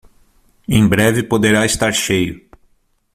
Em breve poderá estar cheio.